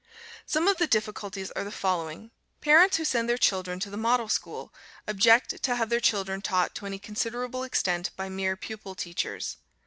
Some of the difficulties are the following: Parents who send their children to the Model School object to have their children taught to any considerable extent by mere pupil teachers.